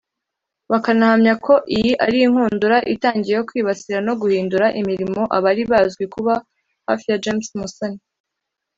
Bakanahamya ko iyi ari inkundura itangiye yo kwibasira no guhindurira imirimo abari bazwi kuba hafi ya James Musoni